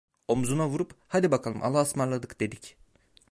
Omuzuna vurup: "Hadi bakalım, allahaısmarladık!" dedik.